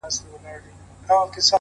هره لاسته راوړنه قرباني غواړي,